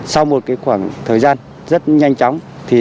sau một khoảng thời gian rất nhanh chóng